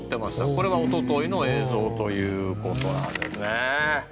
これはおとといの映像ということなんですね。